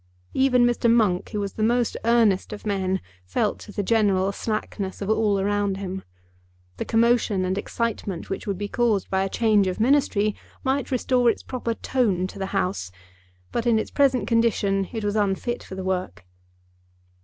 Even Mr. Monk, who was the most earnest of men, felt the general slackness of all around him. The commotion and excitement which would be caused by a change of Ministry might restore its proper tone to the House, but in its present condition it was unfit for the work.